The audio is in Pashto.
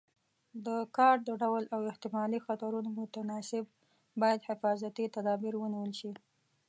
د کار د ډول او احتمالي خطرونو متناسب باید حفاظتي تدابیر ونیول شي.